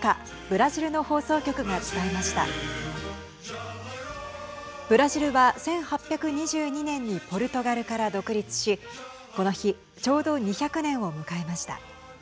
ブラジルは、１８２２年にポルトガルから独立しこの日ちょうど２００年を迎えました。